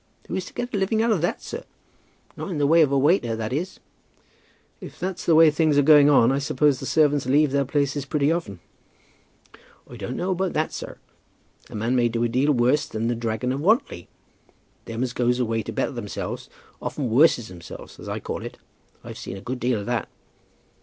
Who is to get a living out of that, sir? not in the way of a waiter, that is." "If that's the way things are going on I suppose the servants leave their places pretty often?" "I don't know about that, sir. A man may do a deal worse than 'The Dragon of Wantly.' Them as goes away to better themselves, often worses themselves, as I call it. I've seen a good deal of that."